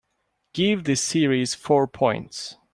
Give this series four points